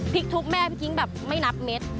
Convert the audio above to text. พริกทุ่บแม่ไม่มีที้งไม่นับเม็ด